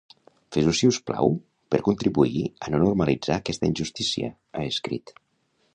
Feu-ho si us plau per contribuir a no normalitzar aquesta injustícia, ha escrit.